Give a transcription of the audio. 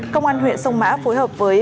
công an huyện sông mã phối hợp với